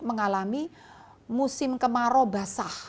mengalami musim kemarau basah